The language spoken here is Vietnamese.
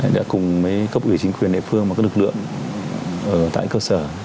đã cùng với cấp ủy chính quyền địa phương và các lực lượng ở tại cơ sở